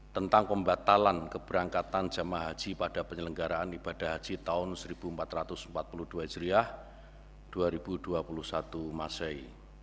tentang pembatalan keberangkatan jemaah haji pada penyelenggaraan ibadah haji tahun seribu empat ratus empat puluh dua hijriah dua ribu dua puluh satu masai